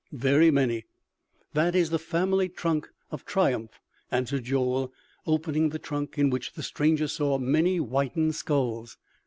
"Very many. That is the family trunk of triumph," answered Joel opening the trunk, in which the stranger saw many whitened skulls.